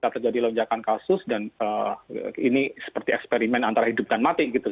terjadi lonjakan kasus dan ini seperti eksperimen antara hidup dan mati gitu